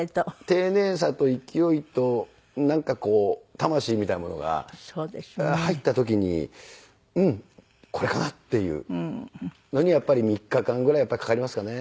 丁寧さと勢いとなんかこう魂みたいなものが入った時にうんこれかなっていうのにやっぱり３日間ぐらいかかりますかね。